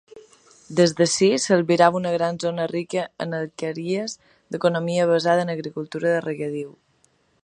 Des d'ací, s'albirava una gran zona rica en alqueries, d'economia basada en agricultura de regadiu.